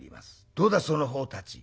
「どうだそのほうたち。